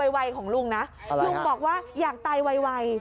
อะไรครับลุงบอกว่าอยากตายไว